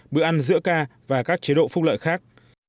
bữa ăn giữa ca và các chế độ phúc lợi khác